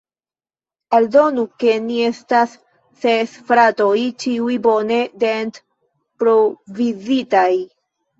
Aldonu, ke ni estas ses fratoj, ĉiuj bone dent-provizitaj.